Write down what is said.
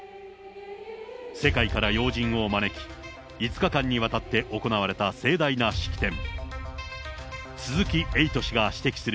世界から要人を招き、５日間にわたって行われた盛大な式典。